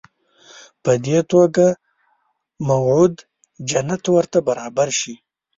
په دې توګه موعود جنت ورته برابر شي.